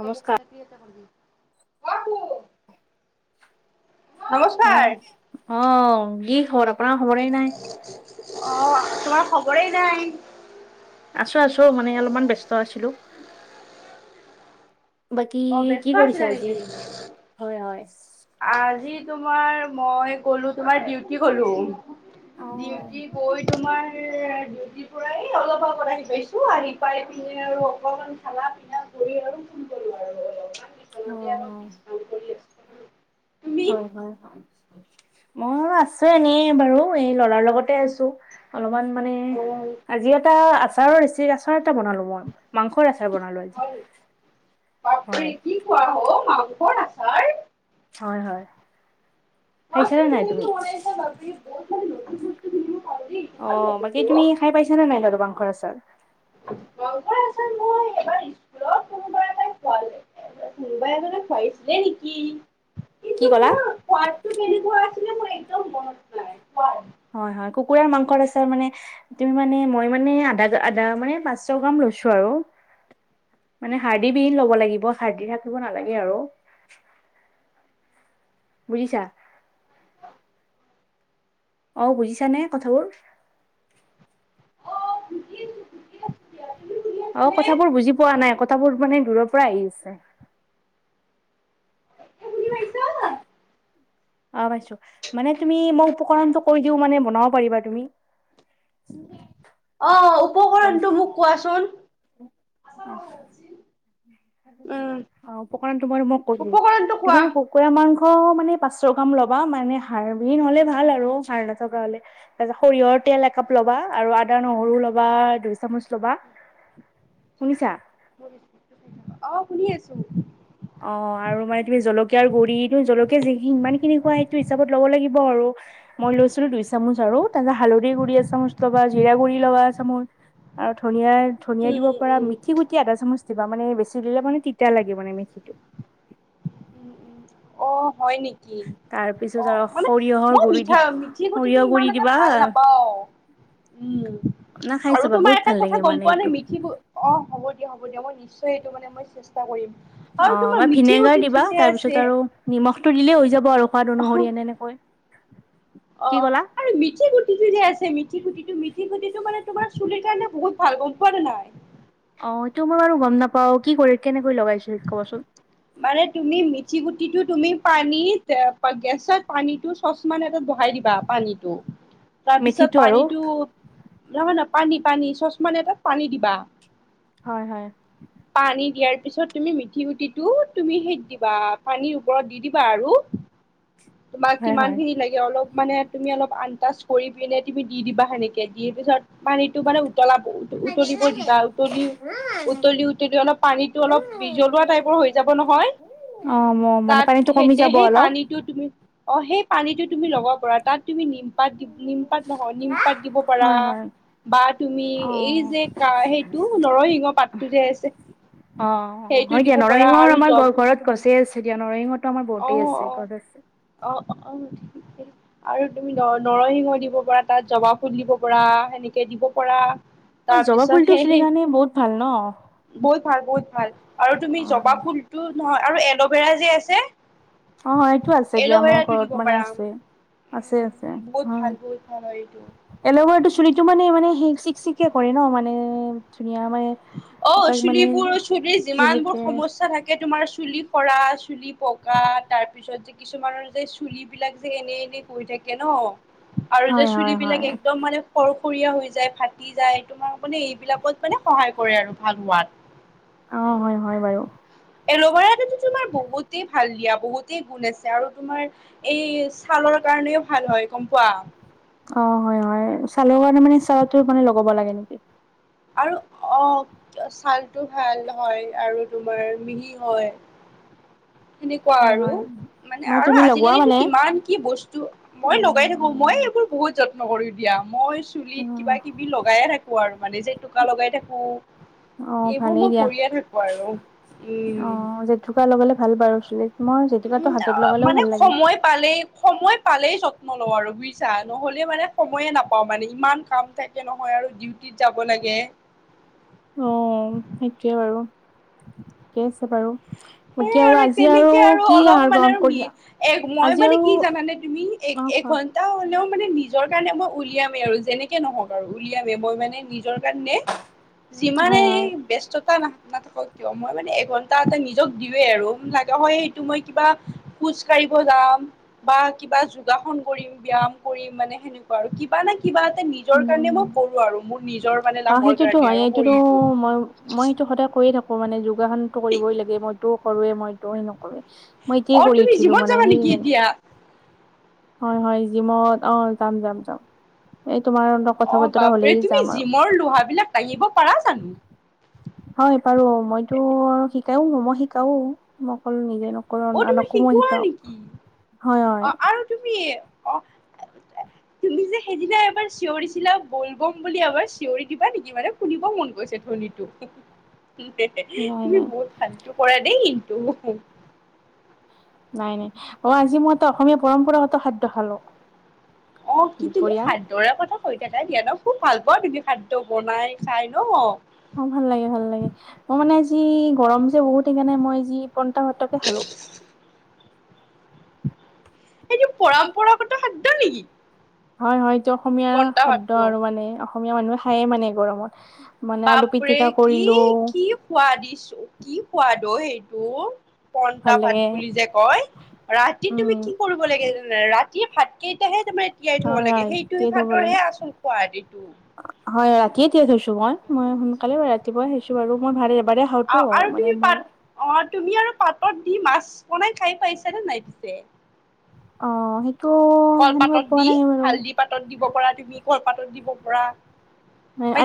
তব কোথাক এটা ভাবি নমস্কাৰ আহ আহ কি খবৰ আপোনাৰ খবৰেই নাই। অ তোমাৰ খবৰেই নাই। আছো আছো মানে অলপমান ব্যস্ত আছিলো। বাকী অ কি ব্যস্ত কৰিছা আছিলা আজি নেকি হয় হয়? আজি তোমাৰ মই গলো তোমাৰ ডিউটি হৈ গলো। অ', ডিউটি গৈ তোমাৰ ডিউটিৰ [unintelligible] অলপ আগত আহি পাইছো, আহি পাই পিনে আৰু অকমান খানা পিনা কৰি আৰু ফোন কৰি [inaudible] দহোতীয়া অ', ঘৰত কাম কৰি আছে। হ'য়, হ'য় মই আছো এনে বাৰু এই লৰাৰ লগতে আছো। অলপমান মানে অ আজি এটা আচাৰৰ চি আচাৰ এটা বনালো মই মাংসৰ আচা হয়াপৰি হয় কি খোৱা হ মাংসৰ আচাৰ। [unintelligible] হয় হয়, কোৱাচোন আহিছিলানে নাই কেনেকে তুমি? বনাইছা বাপৰে বহুত মানে নতুন বস্তু শিকিব পালো দেই ভাল অঁ, লাগিছে বাকী তুমি খাই পাইছানে নাই বাৰু মাংসৰ আচাৰ? গং কৰা আচ মই এইবাৰ স্কুলত কোনোবা এটাই খোৱাল ন [unintelligible] অঁ-কোনোবা এজনে খুৱাইছিলে নেকি? কি কিন্তু ক'লা? মোৰ সোৱাদটো কেনেকুৱা আছিলে মোৰ একদম মনত নাই ক। হয়-হয়, কুকুৰাৰ মাংসৰ আচাৰ মানে তুমি মানে মই মানে আ আধা মানে পাচশ গ্ৰাম কৈছোঁ আৰু। মানে শাৰদি বিহিন ল'ব লাগিব শাৰদি থাকিব নালাগে আৰু। বুজিছা। অ বুজিছানে কথাবোৰ? অ' বুজি আছো বুজি আছো দিয়া তুমি বুজি অ আছানে কথাবোৰ এতিয়া বুজি পোৱা নাই কথাবোৰ মানে দূৰৰ পৰা আহি আছে। বুজি পাইছা? [unintelligible] অ পাইছো, মানে তুমি মই উপকৰণটো কৈ দিও মানে বনাব পাৰিবা তুমি। উম। [unintelligible] অঁ, উপকৰণটো মোক কোৱাচোন। অঁ অঁ, উপকৰণটো বাৰু মই কৈ দিও, উপকৰণটো তুমি কোৱা। আৰু কুকুৰা মাংস- অ মানে পাঁচশ গ্ৰাম ল'বা, মানে হাৰবিহিন হলে ভাল আৰু হাৰ নাথকা হলে তাৰপা সৰিয়ৰ তেল একাপ ল'বা আৰু আদা নহৰু লবা দুই চামুচ ল'বা। শুনিছা? অহ শুনি আছো। অ আৰু মানে তুমি জলকীয়াৰ গুৰি জলকীয়া যিখিনি সিমান খিনি খোৱা সেইটো হিচাপত ল'ব লাগিব আৰু। মই লৈছিলো দুই চামুচ আৰু তাৰপিছত হালধিৰ গুৰি এচামুচ লবা, জিৰা গুৰি লবা, মোৰ আৰু ধনিয়া - ধনিয়া দিব উম, পৰা উম, মিঠি গুটি আধা চামুচ কিবা মানে বেছি দিলে মানে তিতা লাগে মানে মেথি উম-উম, অ' হয় নেকি? তাৰ অ, পিছত আৰু মানে সৰিয়হৰ মই গুৰি দি মিঠা মিঠি গুটিটো সৰিয়হ ইমান গুৰি এটা দিবা ভাল নাপাও। উম না খাই আৰু চাবা তোমাৰ বহুত এটা ভাল কথা লাগে গম মানে পোৱা নাই এইটো মিথি, অ হ'ব হ'ব দিয়া মই নিশ্চয় এইটো মানে মই চেষ্টা কৰিম। আৰু অ তোমাৰ বা মিঠি ভিনেগাৰ গুটিটো দিবা। যে তাৰ আছে পিছত আৰু নিমখটো দিলেই হৈ যাব আৰু সোৱাদ অ অনুসৰি এনে এনেকৈ। কি অ' ক'লা আৰু মিঠি গুটিটো যে আছে মিঠি গুটিটো মিথি গুটিটো মানে তোমাৰ চুলিৰ কাৰণে বহুত ভাল গম পোৱা নে নাই? অঁ, টো মইবাৰু গম নাপাওঁ। কি কৰি, কেনেকৈ লগাইছিল কবচোন? মানে তুমি মিঠি গুটিটো তুমি পানীত গেছত পানীটো চচপেন এটা- বহাই দিবা পানীটো। তাৰপিছত মেথিটো আৰু পানীটো নহয়-নহয় পানী-পানী চচপেন এটাত পানী দিবা। হয় - হয়। পানী দিয়াৰ পিছত তুমি মিঠিগুটিটো তুমি সেইত দিবা পানীৰ ওপৰত দি দিবা আৰু। [inaudible] তোমাক হয় কিমান হয় খিনি লাগে অলপ মানে তুমি অলপ আঁন্তাজ কৰি পিনে তুমি দি দিবা সেনেকে, দিয়ে পিছত পানীটো বানে উতলাব উতলিব দিবা উতলি-উতলি-উতলি অলপ পানীটো অলপ বিজলোৱা টাইপৰ হৈ যাব নহয়। অ মানে তাত পানীটো কমি সেইতিয়া যাব সেই অলপ পানীটো তুমি অ সেই পানীটো তুমি লগাব পাৰা তাত তুমি নিমপাত নিমপাত নহয় নিমপাত দিব পাৰা। হয় হয় বা তুমি অ এই যে ক সেইটো নৰসিংহ পাতটো যে আছে। অ-অ সেইটো হয় দিব দিয়া পাৰা নৰসিঙৰ আৰু আমাৰ জব ঘৰত গছে আছে দিয়া, নৰসিঙত আমাৰ বটেই আছে অ', কত আছে। অ', [unintelligible] অ', অ', ঠিকেই। [unintelligible] আৰু তুমি ন নৰসিংহ দিব পৰা, তাত জবা ফুল দিব পাৰা, সেনেকে দিব পাৰা্ অ জবা ফুলটও চুলিৰ কাৰণে বহুত ভাল ন। বহুত ভাল বহুত ভাল আৰু তুমি জবা অ ফুলতটো নহয় আৰু এল'ভেৰা যে আছে। অ এইটো আছে দিয়া মোৰ এল'ভেৰাটো ঘৰত দিব মানে পাৰা। আছে আছে আছে উম, বহুত হয়। ভাল বহুত ভাল হয় এইটো। এল'ভেৰাটো চুলিটো মানে মানে স চিক চিকে কৰে ন মানে। ধুনীয়া মানে অ তাক মানে চুলিবো, ৰ চুলি যিমান বোৰ জিলিকে সমস্যা থাকে। তোমাৰ চুলি সৰা চুলি পকা তাৰ পিছত যে কিছুমানৰ যে চুলিবলাক যে এনে এনে। থাকে ন আৰু যে হয় হয় হয় চুলিবিলাক একদম মানে। খৰখৰীয়া হৈ যায়, ফাটি যায়, তোমাক মানে এইবিলাকত মানে সহায় কৰে আৰু ভাল হোৱাত। অ হয় হয় বাৰু। এল'ভেৰাটোতো তোমাৰ বহুতেই ভাল দিয়া বহুতেই গুণ আছে আৰু তোমাৰ এই ছালৰ। কাৰণেও ভাল হয় গম পোৱা। অঁ, হ'য় হ'য় ছালৰ কাৰণে মানে চালটো মানে লগাব লাগে নেকি? আৰু অ ছালটো ভাল হয় আৰু তোমাৰ মিহি হয়। [unintelligible] [unintelligible] সনেকুৱা হয় আৰু। হয় মানে আৰু তুমি লগোৱা আজিকালিটো মানে কিমান কি বস্তু মই লগাই থাকো মই উম এইবোৰ বহুত যত্ন। নকৰি দিয়া মই চুলিত উম কিবা কিবি লগায়ে থাকো আৰু মানে জেতুকা লগাই থাকো। অঁ এইবোৰ ভালেই মই দিয়া। কৰিয়ে থাকো আৰু উম অঁ, জেতোকা লগবলে ভাল বাৰু চুলিত। মই জেতুকাটো উম হাতত লগালেও মানে ভাল লাগে সময় পালেই সময়। পালেই যত্ন লওঁ আৰু বুজিছা নহ'লে মানে সময়ে নাপাওঁ মানে ইমান কাম থাকে নহয় আৰু ডিউটি। কি যাব লাগে। অ সেইটোৱে বাৰু। বাৰু সেই বাকী আৰু আজি আৰু তেনেকে কি অলপ আহাৰ মানে গ্ৰহণ আৰু নি কৰিলা এক মই আজি মানে আৰু? কি জানানে তুমি অ এঘন্টা হ'লেও। মানে নিজৰ কাৰণে মই উলিয়ামে আৰু যেনেকে নহওক আৰু উলিয়ামে মই মানে নিজৰ কাৰণে। যিমানে হয় হয় ব ব্যস্ততা না নাথাকক কিয়, মই মানে এ। তাতে নিজক দিয়ে আৰু লাগা হ'য়, সেইটো মই কিবা খোজ কাঢ়িব যাম বা কি। বা যোগাসন কৰিম ব্যাম কৰিম মানে সেনেকুৱা আৰু কিবা না কিবা এ নিজৰ কাৰণে মই কৰো আৰু। মোৰ নিজৰ মানে অঁ, লাভৰ সেইতোটো কাৰণে আৰু হ'য়েই। কিন্তু শৰীৰটো মই, মই সেইতোটো সদায় কৰিয়েই থাকো। মানে যোগাসন। টো কৰিবই লাগে মইটো কৰোৱে মইটো সি নকৰে। মই এতিয়াই অ কৰি তুমি উঠিলো জিমত মানে যাবা সেই নেকি জানো। এতিয়া হয়, হয়, জিমত অ যাম, যাম, যাম। তোমাৰ লগ কথা বতৰা হ'লেই যাম আৰু। তই লোহাবিলাক কঢ়িয়াব পাৰ জানো? হয় পাৰো মইতো শিকাও মই শিকাও মই অকলো নিজে ন। অ তুমি শিকোৱা নেকি হয় হয় অ আৰু তুমি অ। তুমি যে সেইদিনা এবাৰ চিঞৰি চিলা বল বম বুলি এবাৰ চিঞৰি দিবা নেকি মানে শুনিব মন। কৈছে ধনীটো। নাই তুমি নাই বহুত ফালটো কৰা দেই কিন্তু। নাই নাই অ আজি মই এটা অসমীয়া পৰম্পৰাগত খাদ্য খালোঁ। অ কি তুমি খাদ্যৰে কথা। হৈ থাকাই দিয়া ন খুব ভাল পোৱা তুমি খাদ্য বনাই খাই ন,। অ ভাল লাগে ভাল লাগে মই মানে যি গৰম যে বহুত সেইকাৰণে মই যি। কনটা সতকে খালো। এইটো পৰম্পৰাগত খাদ্য নেকি? হয় হয় এইটো অসমীয়াৰ পন্তা খাদ্য ভাতটো আৰু মানে অসমীয়া মানুহে খায়ে মানে গৰমত। মানে আলু বাপৰে পিটিকা কি কৰিলো কি খোৱা দিছোঁ কি সোৱাদ অ সেইটো। পন্টা ভাল ভাত লাগে বুলি যে কয় ৰাতি তুমি উম কি কৰিব লাগে যে ৰাতি। ভাতকেইটাহে। হয় হয় তেটো ভলে আচল সোৱাদ এইটো হয় এৰাতি থৈছো ম মই সোনকালে ৰাতিপুৱাই আহিছো বাৰু মই ভ এবাৰে খাওঁতো মানে মই ত দি মাছ বনাই খাই পাইছে নে নাই পিছে? অ সেই। কলপাতত দি হালদি পাতত দিব পৰা তুমি কলপাতত দিব পৰা।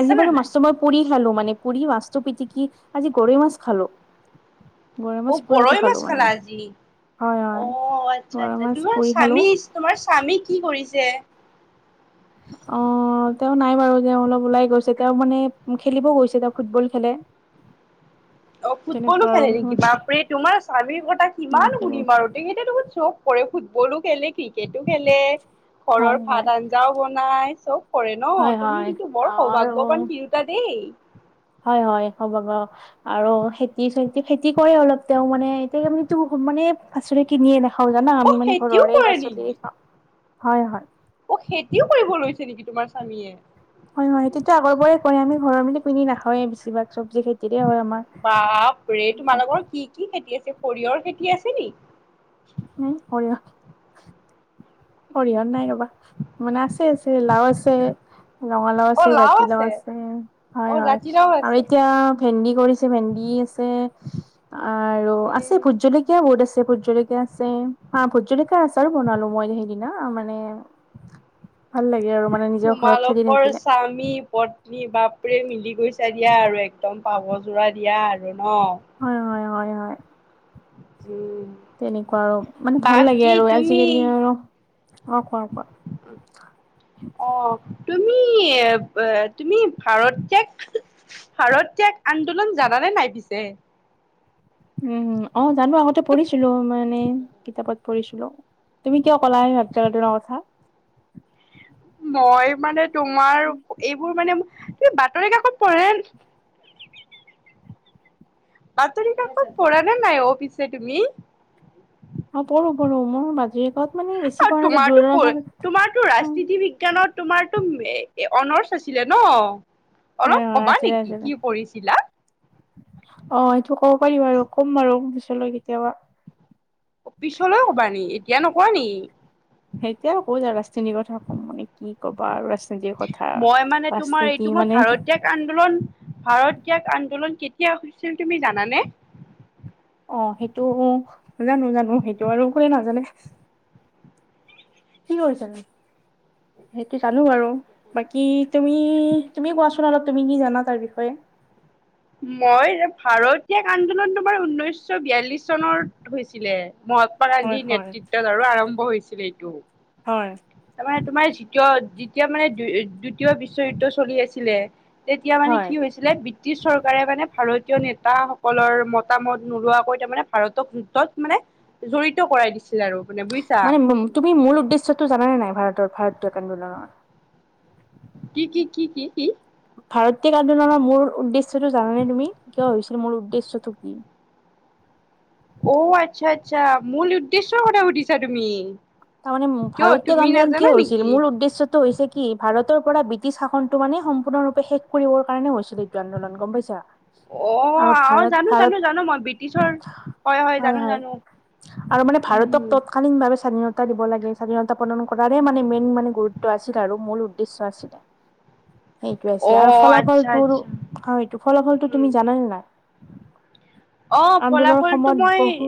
আজি বাৰু নাই মাছ মই পুৰি খালো মানে পুৰি মাছ পিতিকি আজি গৰৈ মাছ খালো। গৰৈ অ মাছ পুৰাটো গৰৈ মাছ খালো মানে খালা আজি। হয় অ হয় আচ্ছা বৰা আচ্ছা মাছ তোমাৰ পুৰি খালো স্বামী তোমাৰ স্বামী কি কৰিছে? অ তেওঁ নাই বাৰু তেওঁ অলপ ওলাই গৈছে তেওঁ মানে খেলিবও গৈছে তেওঁ ফুটবল খেলে। অ ফুটবলো তেনেকুৱা খেলে আৰু নেকি হয় বাপৰে তোমাৰ স্বামীৰ কথা কিমান শুনিম আৰু তেখেতে দেখোন চখ কৰে ফুটবলো খেলে ক্ৰিকেটো খেলে ঘৰৰ ভাত আঞ্জাও বনাই চব কৰে ন হয় হয় তুমি হয় কিন্তু অ বৰ আৰু সৌভাগ্যৱান তিৰোতা দেই। হয় হয় হ'ব বাৰ আৰু খেতি চে খেতি কৰে অলপ তেওঁও মানে এতিয়া। মানে আচৰি কিনিয়ে নাখাও জানা অ আমি মানে খেতিও ঘৰৰে কৰে নেকি পাচলিয়ে খাওঁ হয় হয়। অ খেতিও কৰিব লৈছে নেকি তোমাৰ স্বামীয়ে ‌? হয় হয় সেইটোতো আগৰ পৰাই কয় আমি ঘৰ মানে কিনি নাখাৱে বেছভাগ চব বাপৰে তোমালোকৰ কি কি খেতি আছে সৰিয়হৰ খেতি আছে নি? উম হ'ল আ সৰিয়হত নাই ৰবা মানে আছে আছে লাও আছে। ৰঙালাও অ আছে লাও জাতিলাও আছে হয় অ হয় জাতিলাও আৰু আছে এতিয়া ভেন্দি কৰিছে ভেন্দি আৰু আছে ভোট উম জলকীয়া বহুত আছে। ভোট জলকীয়া আছে হা ভোট জলকীয়া আছে আৰু বনালো মই কি ন মানে ভাল লাগে আৰু মানে নিজৰ ঘৰত খেতি তোমালোকৰ থাকিলে স্বামী পত্নী বা প্ৰেমী। কি কৰিছা দিয়া আৰু একদম পাভ যোৰা দিয়া আৰু ন। হয় হয় হয় হয়। উম তেনেকুৱা আৰু মানে ভাল লাগে বাকী আৰু তুমি আজিকালি আৰু অ কোৱা কোৱা অ তুমি তুমি ভাৰত্যাগ ভাৰত ত্যাগ আন্দোলন জা হ'লে নাই পিছে। উম অ জানো আগতে পঢ়িছিলো মানে কিতাপত পঢ়িছিলো। তুমি কিয় ক'লা ভাত্ৰাগদিনৰ কথা মই মানে তোমাৰ এইবোৰ মানে বাতৰি কাকত পঢ়ে। বাতৰি কাকত পঢ়া নে নাই অ পিছে তুমি। অ পঢ়ো পঢ়ো মোৰ মাজিৰৰেগত আৰু তোমাৰতো তোমাৰতো চাওঁ ৰাজনীতি বিজ্ঞানত। তোমাৰতো অনৰছ হৈছিলে ন। হয় অলপ হয় কবা আছিলে নেকি আছিলে কি কৰিছিলা? অ' পাৰিব পাৰিব ক'ম বাৰু পিছলৈ কেতিয়াবা অ পিছলৈ কবা নেকি এতিয়া নোকোৱা নেকি? সেইতিয়াও ক'য় যায় আৰু ৰাজনিতীৰ কথা ক'ম মানে কি ক'বা আৰু ৰাজ মই মানে তোমাৰ এইটো মই ভাৰত্যাগ আন্দোলন ভাৰতীয়াগ আন্দোলন কেতিয়া। কিয় কৈছিল তুমি জানানে? অ সেইটো জানো জানো সেইটো আৰু কোনে নাজানে কি কৰিছিল? সেইটো জানোঁ বাৰু বাকী তুমি তুমি কোৱাচোন অলপ তুমি কি জানা তাৰ বিষয়ে? [inaudible] মই ভাৰতীয়াগ আন্দোলন তোমাৰ ঊনৈশশ বিয়াল্লিশ চনত হৈছিলে, মহাত্মা হয় গান্ধীৰ হয় নেতৃত্বতাৰ আৰম্ভ হৈছিল এইটো হয় মান তোমাৰ দ্বিতীয় যেতিয়া মানে দ্বিতীয় বিশ্বযুদ্ধ চলি আছিলে, তেতিয়া মানে হয় কি হৈছিলে ব্ৰিটিছ চৰকাৰে মানে ভাৰত কিয় নেতাসকলৰ মতামত নোলোৱাকৈ তাৰ মানে ভাৰতক যুদ্ধত মানে জড়িত কৰাই দিছিল আৰু মানে বুজিছা মানে তুমি মূল উদ্দেশ্যয়তটো জানানে নাই ভাৰতৰ ভাৰতক আন্দোলনৰ। কি কি কি কি কি? ভাৰতীয়ক আন্দোলনৰ মূল উদ্দেশ্যটো জানানে তুমি কিয় হৈছিল মূল‌ উদ্দেশ্যটো কি? অ আচ্ছা আচ্ছা মূল উদ্দেশ্যৰ কথা সুধিছা তুমি। তাৰমানে কিয় ভাৰতীয়ক তুমি আন্দোলন কিয় নাজানা হৈছিল নেকি মূল উদ্দেশ্যটো হৈছে কি ভাৰত টৌ‌ পৰা ব্ৰিটিছ‌ শাসনটো মানে সম্পূৰ্ণৰূপে শেষ কৰিবৰ কাৰণে হৈছিলে এইটো আন্দোলন গম পাইছা। অ আৰু অ ভাৰত জানো ভাৰত জানো জানো মই ব্ৰিটিছৰ হয় হয়। আৰু মানে ভাৰতক উম তৎকীনাৱে স্বাধীনতা দিব লাগে স্বাধীনতা পালন কৰাৰে মানে মেইন মানে গুৰুত্ব আছিল আৰু মূল উদ্দেশ্য আছিলে। সেইটো আছে অ আৰু আচ্ছা ফলাফলটোৰ আচ্ছা অ এইটো ফলাফলটো উম তুমি জানানে নাই‌ অ ফলাফল টো সময়ত মই বহু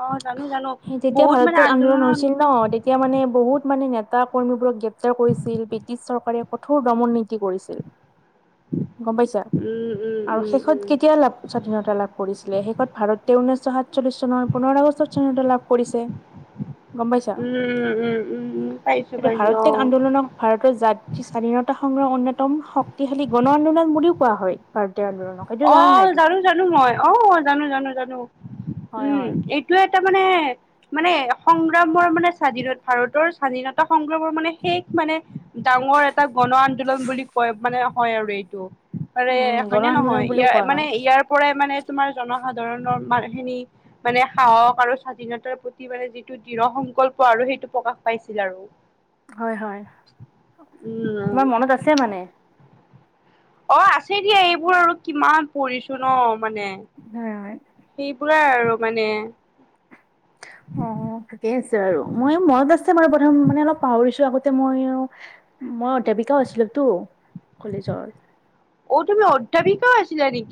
অ জানো জানো সেই যেতিয়া বহুত ভাৰত মানে ত্যাগ আন আন্দোলন হৈছিল ন তেতিয়া মানে বহুত মানে নেতা কৰ্মীবোৰক গ্ৰেপ্তাৰ কৰিছিল ব্ৰিটিছ চৰকাৰে কঠোৰ দমন নীতি কৰিছিল গম পাইছা। উম উম আৰু উম উম শেষত কেতিয়া লাভ স্বাধীনতা লাভ কৰিছিলে শেষত ভাৰতে ঊনৈছশ সাতচল্লিশ চনৰ পোন্ধৰ আগষ্ট [unintelligible] লাভ কৰিছে উম উম উম উম উম পাই এ ভাৰতেক আন্দোলনক ভাৰতৰ জাতি স্বাধীনতা সংগ্ৰহ অন্যতম শক্তিশালী গণ- নন বুলিও কোৱা হয়। ত্যাগ আন্দোলনক এইটো অ জানা নাই তুমি জানো জানো মই অ জানো জানো জানো হয় উম হয় এইটোয় এটা মানে মানে সংগ্ৰামৰ মানে স্বাধীনত ভাৰতৰ স্বাধীনতা সংগ্ৰামৰ মানে শেষ মানে ডাঙৰ এটা গণ আন্দোলন বুলি কয় মানে হয় আৰু এইটো আৰে উম গণ হয়নে আন্দোলন নহয়। বুলিও ইয়াৰ কোৱা মানে হয় ইয়াৰ পৰা মানে তোমাৰ জনসাধাৰণৰ মান খিনি মানে সাহস আৰু স্বাধীনতাৰ প্ৰতি মানে যিটো দৃঢ় সংকল্প আৰু সেইটো প্ৰকাশ পাইছিল আৰু হয় হয় উম তোমাৰ মনত আছে মানে। অ আছে দিয়া এইবোৰ আৰু কিমান পৰিছো ন অ হয় হয়। সেইবোৰ আৰু মানে অ ঠিকেই আছে আৰু মই মনত আছে বাৰু প্ৰথম মানে অলপ পাহৰিছো আগতে মই মই অধ্যাপিকাও আছিলো তো কলেজৰ অঁ তুমি অদাৰিকা আছিলা নেকি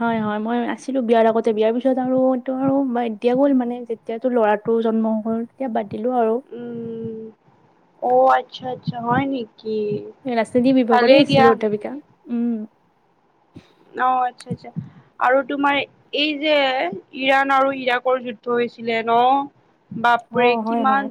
হয় হয় মই আছ ছিলো বিয়াৰ আগতে বিয়াৰ পিছত আৰু এইটো আৰু এতিয়া গ'ল মানে যেতিয়াটো ল'ৰাটো জন্ম হ'ল তেতিয়া ব- উম অ আচ্ছা আচ্ছা হয় নেকি? ৰাস্তা দি বিডিও কৰি ভালেই দিয়া আছিলো অধাপিকা উম অ আচ্ছা আচ্ছা আৰু তোমাৰ এই যে ইৰাণ আৰু ইৰাকৰ যুদ্ধ হৈছিলে ন অ বাপৰে হয় কিমান হয় দা